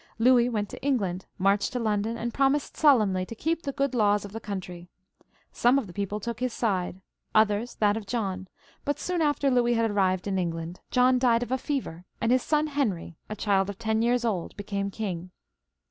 Louis went to England, marched to London, and promised solemnly to keep the good laws of the coimtry. Some of the people took his side, others that of John ; but soon after Louis had arrived in England, John died of a fever, and his son Henry, a child of ten years old, became king.